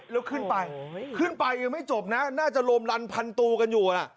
แล้วขึ้นไปขึ้นไปยังไม่จบนะน่าจะรวมรันพันตูกันอยู่นะ